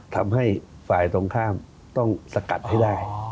ทำให้ฝ่ายตรงข้ามต้องสกัดให้ได้